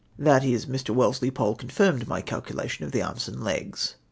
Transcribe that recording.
That is, Mr. Wellesley Pole confirmed my calcula tion of t]ie arms and leo;s.